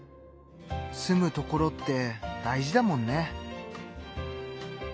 住む所って大事だもんね。